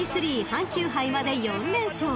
阪急杯まで４連勝］